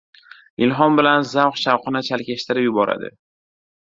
– ilhom bilan zavq-shavqni chalkashtirib yuboradi”.